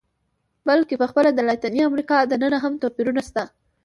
بلکې په خپله د لاتینې امریکا دننه هم توپیرونه شته.